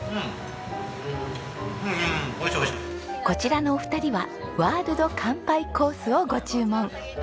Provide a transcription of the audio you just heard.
こちらのお二人はワールド乾杯コースをご注文。